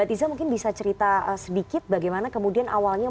ini bagaimana sebenarnya